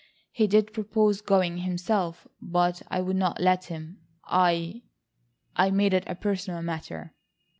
"He did propose going himself, but I would not let him; I—I made it a personal matter."